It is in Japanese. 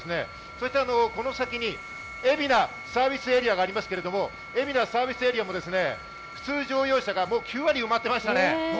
そして、この先に海老名サービスエリアがありますけれども、海老名サービスエリアも普通乗用車が９割埋まってましたね。